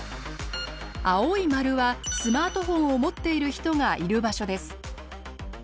青い丸はスマートフォンを持っている人がいる場所です。